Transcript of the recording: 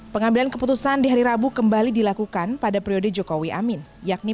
pengambilan keputusan di hari rabu kembali dilakukan pada periode jokowi amin yakni